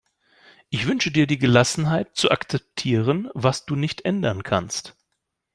Ich wünsche dir die Gelassenheit, zu akzeptieren, was du nicht ändern kannst.